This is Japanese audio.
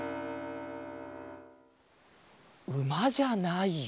うまじゃないよ。